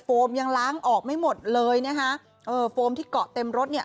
มยังล้างออกไม่หมดเลยนะคะเออโฟมที่เกาะเต็มรถเนี่ย